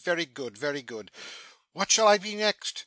Very good, very good! What shall I be next?